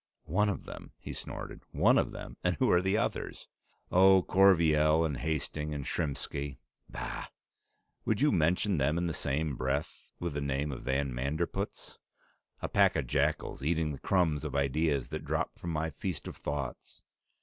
"One of them!" he snorted. "One of them, eh! And who are the others?" "Oh, Corveille and Hastings and Shrimski " "Bah! Would you mention them in the same breath with the name of van Manderpootz? A pack of jackals, eating the crumbs of ideas that drop from my feast of thoughts!